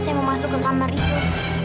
saya mau masuk ke kamar itu